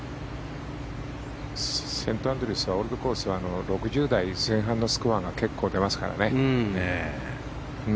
セントアンドリュースのオールドコースは６０台前半のスコアが結構出ますからね。